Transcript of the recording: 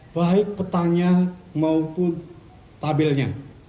baik petanya maupun tabelnya